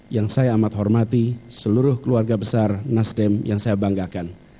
yang saya amat hormati seluruh keluarga besar nasdem yang saya banggakan